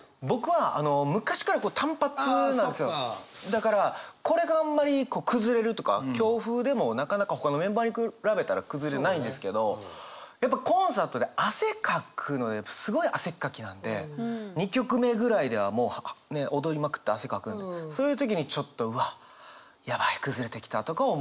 だからこれがあんまり崩れるとか強風でもなかなかほかのメンバーに比べたら崩れないんですけどやっぱコンサートで汗かくのですごい汗っかきなんで２曲目ぐらいではもうね踊りまくって汗かくんでそういう時にちょっと「うわっやばい崩れてきた」とか思うことは。